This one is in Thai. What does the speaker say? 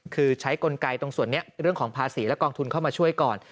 คือใช้กลไกตรงส่วนนี้เรื่องของภาษีและกองทุนเข้ามาช่วยก่อน